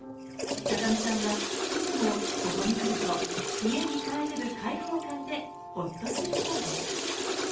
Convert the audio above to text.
見さんはいつもここに来ると家に帰れる解放感でほっとするそうです。